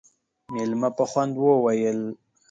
مېلمه په خوند وويل: